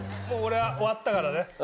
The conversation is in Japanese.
もう俺は終わったからね。